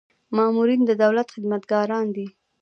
مامورین د دولت خدمتګاران دي